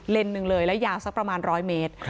หนึ่งเลยแล้วยาวสักประมาณ๑๐๐เมตร